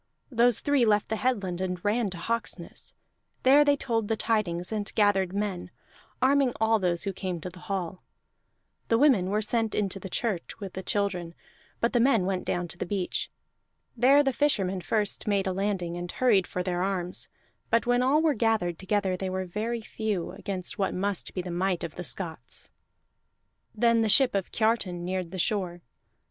Those three left the headland and ran to Hawksness; there they told the tidings and gathered men, arming all those who came to the hall. The women were sent into the church with the children, but the men went down to the beach. There the fishermen first made a landing, and hurried for their arms; but when all were gathered together they were very few against what must be the might of the Scots. Then the ship of Kiartan neared the shore.